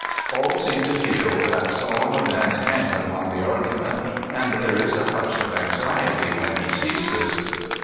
All seem to fed that solemn events hang upon the argument, and there is a hush of anxiety when he ceases.